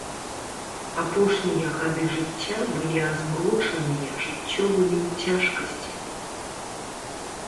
Апошнія гады жыцця былі азмрочаныя жыццёвымі цяжкасцямі.